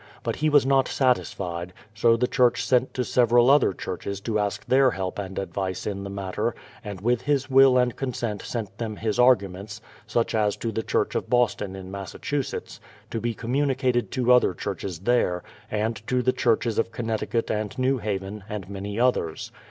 But he was not satis fied; so the church sent to several other churches to ask their help and advice in the matter, and with his will and consent sent them his arguments, — such as to the church of Boston in Massachusetts, to be communicated to other churches there; and to the churches of Connecticut and New Haven, and many others.